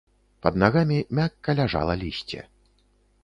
Пад нагамі мякка ляжала лісце.